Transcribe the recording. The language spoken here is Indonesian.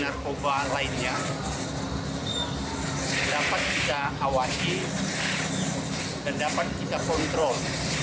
narkoba lainnya dapat kita awasi dan dapat kita kontrol